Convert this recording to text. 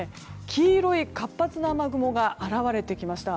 黄色い活発な雨雲が現れてきました。